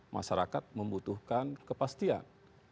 masyarakat membutuhkan kepastian